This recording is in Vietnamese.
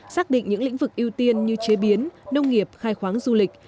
xác định những lĩnh vực ưu tiên như chế biến nông nghiệp khai khoáng du lịch